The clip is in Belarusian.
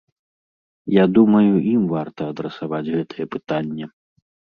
Я думаю, ім варта адрасаваць гэтае пытанне.